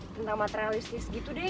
tentang materialistis gitu deh